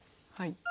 はい。